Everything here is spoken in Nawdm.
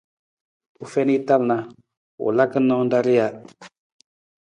U fiin i tal na, u laka naan ra rija.